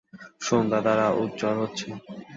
সন্ধ্যাতারা উজ্জল হচ্ছে।